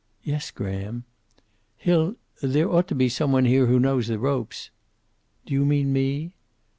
"Yes, Graham." "He'll there ought to be some one here who knows the ropes." "Do you mean me?"